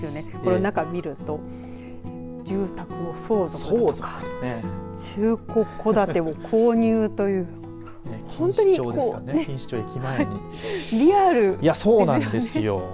中を見ると住宅とか中古戸建てを購入という本当にリアルですよね。